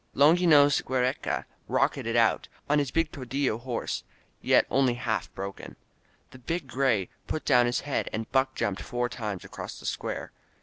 Longinos Giiereca rocketed out on his great tordiUo horse, yet only half broken. The big gray put down Kis head and buck jumped four times across the square.